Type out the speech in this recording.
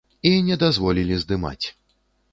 І не дазволілі здымаць.